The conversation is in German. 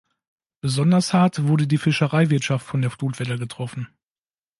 Besonders hart wurde die Fischereiwirtschaft von der Flutwelle getroffen.